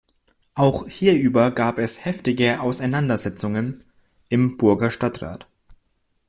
Auch hierüber gab es heftige Auseinandersetzungen im Burger Stadtrat.